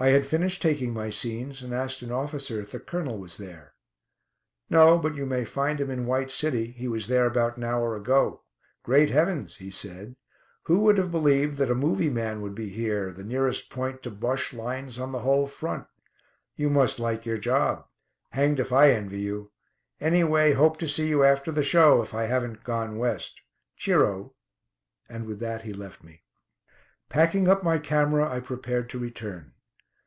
I had finished taking my scenes, and asked an officer if the Colonel was there. "No, but you may find him in 'White City.' He was there about an hour ago. Great heavens," he said, "who would have believed that a 'movie man' would be here, the nearest point to Bosche lines on the whole front. You must like your job. Hanged if I envy you. Anyway, hope to see you after the show, if I haven't 'gone West.' Cheero," and with that he left me. Packing up my camera, I prepared to return.